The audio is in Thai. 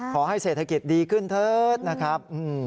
ขอให้เศรษฐกิจดีขึ้นเถิดนะครับ